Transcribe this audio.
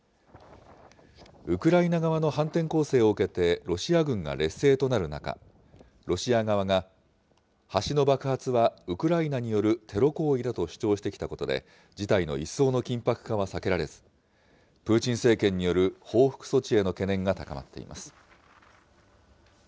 ウクライナ側の反転攻勢を受けて、ロシア軍が劣勢となる中、ロシア側が橋の爆発はウクライナによるテロ行為だと主張してきたことで、事態の一層の緊迫化は避けられず、プーチン政権による報復措置への懸念が高まっています。